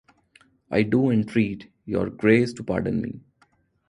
I do entreat your grace to pardon me.